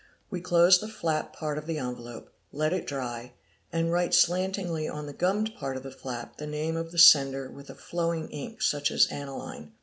We close the flap part of the envelope, st it dry, and write slantingly on the gummed part of the flap the name of the sender with a lowing ink, such as aniline.